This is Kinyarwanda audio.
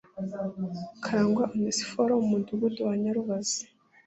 Karangwa Onesphore wo mu Mudugudu wa Nyarubazi